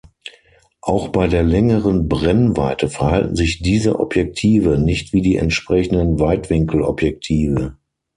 Auch bei der längeren Brennweite verhalten sich diese Objektive nicht wie die entsprechenden Weitwinkelobjektive.